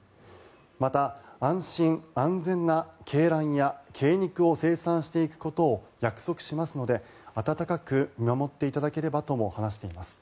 また、安心安全な鶏卵や鶏肉を生産していくことを約束しますので温かく見守っていただければとも話しています。